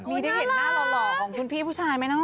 มีได้เห็นหน้าหล่อของคุณพี่ผู้ชายไหมเนาะ